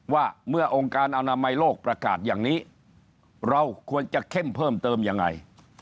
ว่าเมื่อองค์การอนามัยโลกประกาศอย่างนี้เราควรจะเข้มเพิ่มเติมยังไง